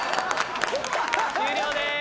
終了です。